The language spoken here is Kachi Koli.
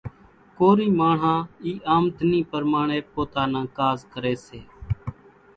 ڪورِي ماڻۿان اِي آمۮنِي پرماڻيَ پوتا نان ڪاز ڪريَ سي۔